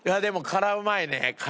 辛うまい。